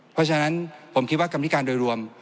เพราะฉะนั้นผมคิดว่ากรรมธิการโดยรวม